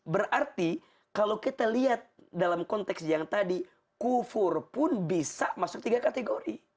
berarti kalau kita lihat dalam konteks yang tadi kufur pun bisa masuk tiga kategori